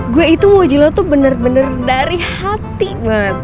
gue itu mojilo tuh bener bener dari hati banget